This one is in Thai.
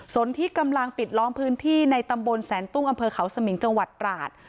ส่วนที่กำลังปิดล้อมพื้นที่ในตำบลแสนตุ้งอำเภอเขาสมิงจังหวัดตราด